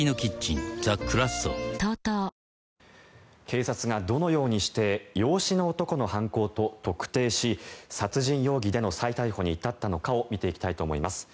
警察が、どのようにして養子の男の犯行と特定し殺人容疑での再逮捕に至ったのかを見ていきたいと思います。